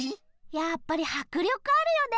やっぱりはくりょくあるよね